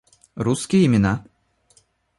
Русские имена